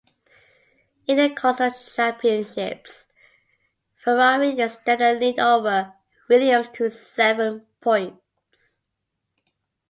In the Constructors Championship, Ferrari extended their lead over Williams to seven points.